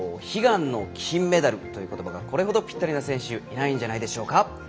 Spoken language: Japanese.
悲願の金メダルということばがこれほどぴったりな選手いないんじゃないでしょうか。